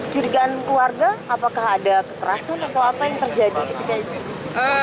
curigaan keluarga apakah ada kekerasan atau apa yang terjadi ketika itu